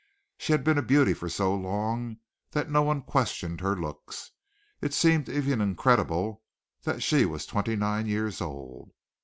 She had been a beauty for so long that no one questioned her looks. It seemed even incredible that she was twenty nine years old.